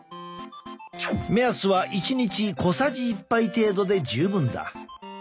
目安は１日小さじ１杯程度で十分だ。